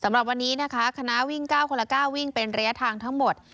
สำหรับวันนี้นะคะคณะวิ่ง๙คนละ๙วิ่งเป็นระยะทางทั้งหมด